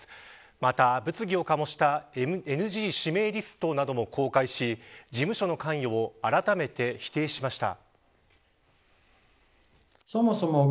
また、物議を醸したＮＧ指名リストなども公開し事務所の関与を改めて否定しました。